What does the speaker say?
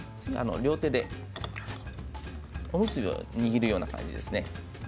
両手で、おむすびを握るような感じですね。